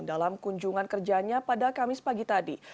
dalam kunjungan kerjanya pada kamis pagi tadi